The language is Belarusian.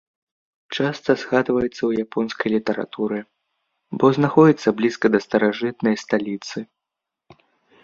Часта згадваецца ў японскай літаратуры, бо знаходзіцца блізка да старажытнай сталіцы.